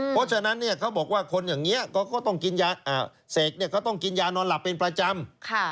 เพราะฉะนั้นเขาบอกว่าคนอย่างนี้ก็ต้องกินยาเสกก็ต้องกินยานอนหลับเป็นประจำ